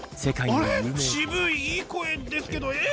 渋いいい声ですけどえっ？